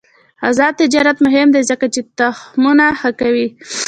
آزاد تجارت مهم دی ځکه چې تخمونه ښه کوي.